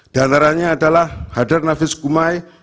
di antaranya adalah hadir nafis kumai